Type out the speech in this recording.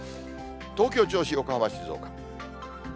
東京、銚子、横浜、静岡。